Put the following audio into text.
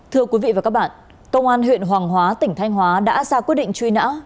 thưa quý vị và các bạn công an huyện hoàng hóa tỉnh thanh hóa đã ra quyết định truy nã